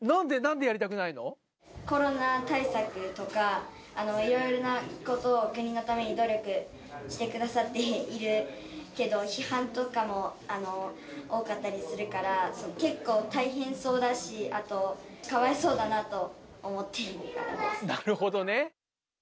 コロナ対策とか、いろいろなことを国のために努力してくださっているけど、批判とかも多かったりするから、結構、大変そうだし、あと、かわいそうなるほどね。